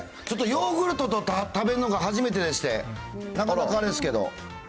ちょっとヨーグルトと食べるのが初めてでして、なかなかあれですけど。